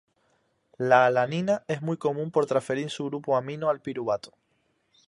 La alanina es muy común por transferir su grupo amino al piruvato.